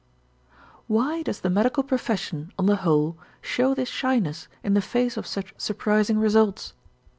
Why does the medical profession on the whole show this shyness in the face of such surprising results?